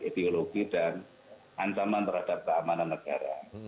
ideologi dan ancaman terhadap keamanan negara